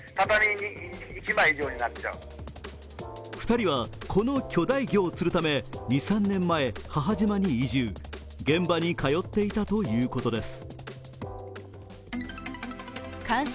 ２人はこの巨大魚を釣るため２３年前母島に移住、現場に通っていたということです。